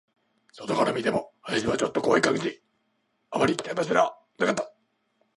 外から見ても、林はちょっと怖い感じ、あまり行きたい場所ではなかった